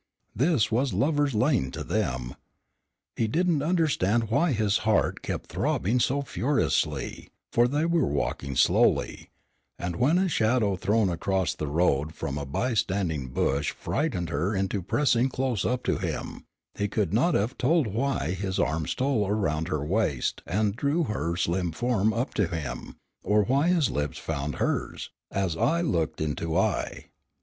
This was lovers' lane to them. He didn't understand why his heart kept throbbing so furiously, for they were walking slowly, and when a shadow thrown across the road from a by standing bush frightened her into pressing close up to him, he could not have told why his arm stole round her waist and drew her slim form up to him, or why his lips found hers, as eye looked into eye.